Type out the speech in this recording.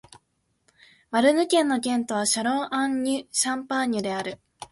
マルヌ県の県都はシャロン＝アン＝シャンパーニュである